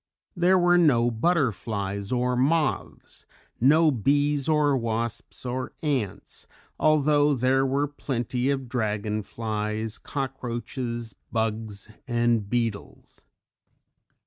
There were no butterflies or moths, no bees or wasps or ants although there were plenty of dragonflies, cockroaches, bugs and beetles.